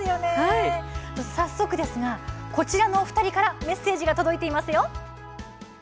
早速ですがこちらのお二人からメッセージが届いていますよ。